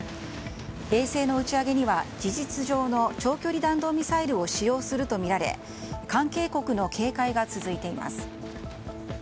衛星の打ち上げには事実上の長距離弾道ミサイルを使用するとみられ関係国の警戒が続いています。